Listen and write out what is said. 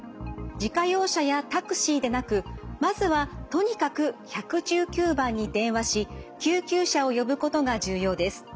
自家用車やタクシーでなくまずはとにかく１１９番に電話し救急車を呼ぶことが重要です。